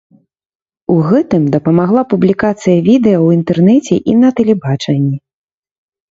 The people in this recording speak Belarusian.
У гэтым дапамагла публікацыя відэа ў інтэрнэце і на тэлебачанні.